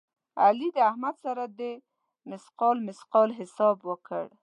علي د احمد سره د مثقال مثقال حساب وکړ.